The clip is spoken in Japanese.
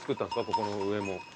ここの上も。